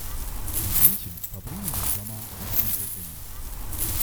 Die Männchen verbringen den Sommer als Einzelgänger.